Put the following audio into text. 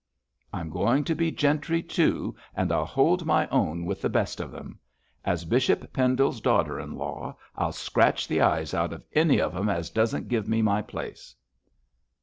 'I'm going to be gentry too, and I'll hold my own with the best of them. As Bishop Pendle's daughter in law, I'll scratch the eyes out of any of 'em as doesn't give me my place.'